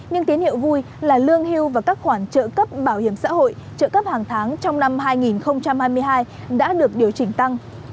nhưng tín hiệu vui là lương hưu và các khoản trợ cấp bảo hiểm xã hội trợ cấp hàng tháng trong năm hai nghìn hai mươi hai đã được điều chỉnh tăng